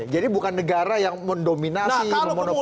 jadi bukan negara yang mendominasi memonopoli